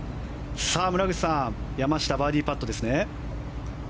村口さん、山下バーディーパットですね。